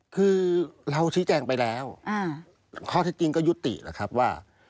คือเราชี้แจงไปแล้วข้อเท็จจริงก็ยุติแหละครับว่า